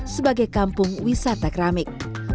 sebagai kampung wisata keramik